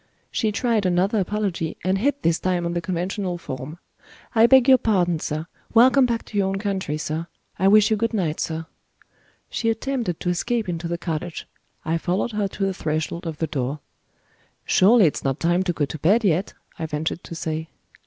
She tried another apology, and hit this time on the conventional form. "I beg your pardon, sir. Welcome back to your own country, sir. I wish you good night, sir." She attempted to escape into the cottage; I followed her to the threshold of the door. "Surely it's not time to go to bed yet," I ventured to say.